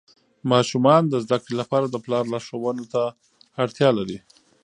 ماشومان د زده کړې لپاره د پلار لارښوونو ته اړتیا لري.